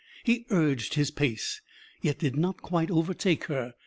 He urged his pace, yet did not quite overtake her.